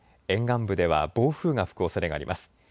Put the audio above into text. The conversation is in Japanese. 沿岸部では暴風が吹くおそれがあります。